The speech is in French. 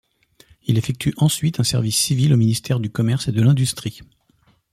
Il effectue ensuite un service civil au ministère du Commerce et de l'Industrie.